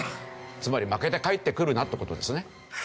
つまり負けて帰ってくるなという事ですね。